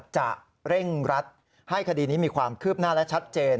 จะเร่งรัดให้คดีนี้มีความคืบหน้าและชัดเจน